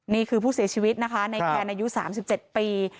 นี่คือผู้เสียชีวิตนะคะในแคนอายุ๓๗ปี